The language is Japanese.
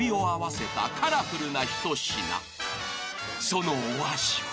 ［そのお味は？］